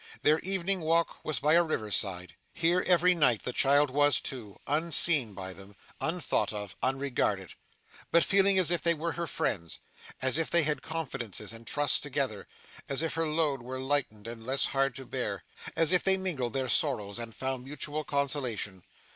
Their evening walk was by a river's side. Here, every night, the child was too, unseen by them, unthought of, unregarded; but feeling as if they were her friends, as if they had confidences and trusts together, as if her load were lightened and less hard to bear; as if they mingled their sorrows, and found mutual consolation.